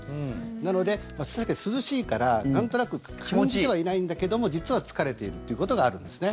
なので、涼しいからなんとなく感じてはいないんだけども実は疲れているということがあるんですね。